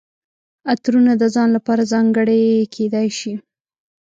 عطرونه د ځان لپاره ځانګړي کیدای شي.